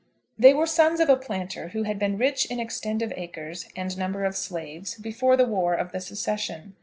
They were sons of a planter who had been rich in extent of acres and number of slaves before the war of the Secession.